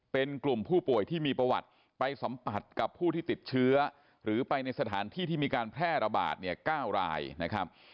เป็นกลุ่มผู้ป่วยที่มีประวัติไปสัมผัสกับผู้ที่ติดเชื้อหรือไปในสถานที่ที่มีการแพร่ระบาดเนี่ย๙รายนะครับ